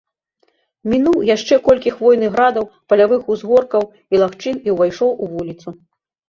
Мінуў яшчэ колькі хвойных градаў, палявых узгоркаў і лагчын і ўвайшоў у вуліцу.